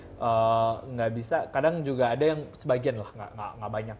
tidak bisa kadang juga ada yang sebagian lah nggak banyak